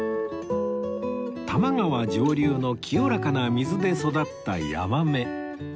多摩川上流の清らかな水で育った山女魚